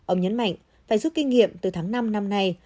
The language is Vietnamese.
ông nhấn mạnh phải giúp kinh nghiệm từ tháng năm năm nay